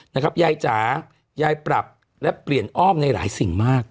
ยายจ๋ายายปรับและเปลี่ยนอ้อมในหลายสิ่งมาก